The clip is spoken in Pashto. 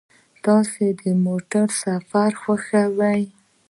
تاسو د موټر سفر خوښوئ؟